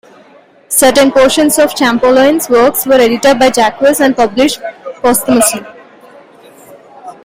Certain portions of Champollion's works were edited by Jacques and published posthumously.